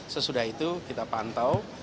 sesudah itu kita pantau